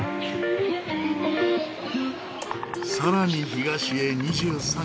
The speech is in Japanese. さらに東へ２３キロ。